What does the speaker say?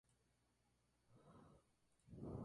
Se conserva la castañuela fundacional que llevaba el Rvdo.